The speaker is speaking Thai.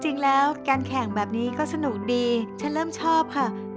จริงแล้วการแข่งแบบนี้ก็สนุกดีฉันเริ่มชอบค่ะ